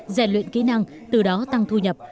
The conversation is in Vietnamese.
dạy luyện kỹ năng từ đó tăng thu nhập